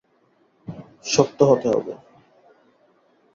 শক্ত হতে হবে।